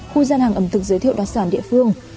khu gian hàng ẩm thực giới thiệu đặc sản địa phương